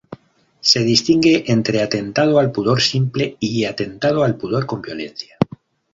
Se distingue entre atentado al pudor simple y atentado al pudor con violencia.